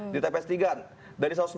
di tps tiga dari satu ratus sembilan puluh